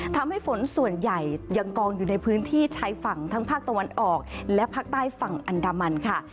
ทำให้ฝนส่วนใหญ่ยังกองอยู่ในพื้นที่ชายฝั่งทั้งภาคตะวันออกและภาคใต้ฝั่งอันดามันค่ะ